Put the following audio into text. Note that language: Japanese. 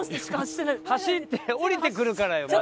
走って下りてくるからよまた。